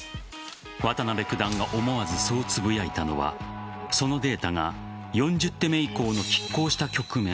渡辺九段が思わず、そうつぶやいたのはそのデータが４０手目以降の拮抗した局面